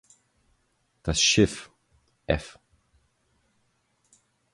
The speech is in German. Das Schiff f